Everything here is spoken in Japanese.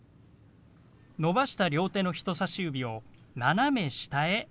伸ばした両手の人さし指を斜め下へ動かします。